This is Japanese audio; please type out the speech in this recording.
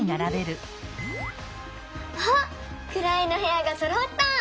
あっくらいのへやがそろった！